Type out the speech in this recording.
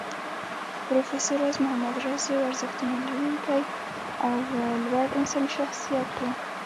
پروفېسر راز محمد راز يو ارزښتونه لرونکی او لوړ انساني شخصيت و